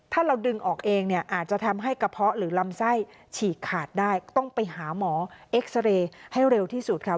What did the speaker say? ถ้าเราดึงออกเองเนี่ยอาจจะทำให้กระเพาะหรือลำไส้ฉีกขาดได้ต้องไปหาหมอเอ็กซาเรย์ให้เร็วที่สุดค่ะ